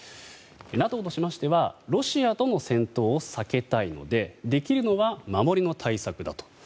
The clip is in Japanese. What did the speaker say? ＮＡＴＯとしましてはロシアとの戦闘を避けたいのでできるのは守りの対策だと。